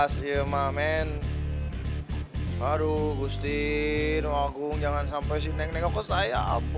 sampai jumpa lagi